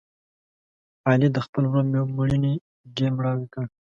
علي د خپل ورور مړینې ډېر مړاوی کړ.